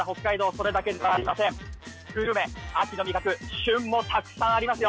それだけではありませんグルメ秋の味覚旬もたくさんありますよ